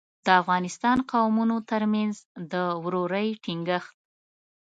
د افغانستان قومونو ترمنځ د ورورۍ ټینګښت.